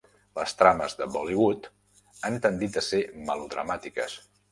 Les trames de Bollywood han tendit a ser melodramàtiques.